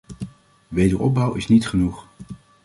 Wederopbouw is niet genoeg.